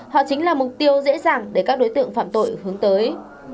họ chính là mục tiêu dễ dàng để các đối tượng phạm tội hướng tới